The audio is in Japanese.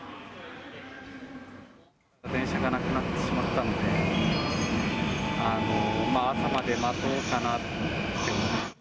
電車がなくなってしまったんで、朝まで待とうかなって思って。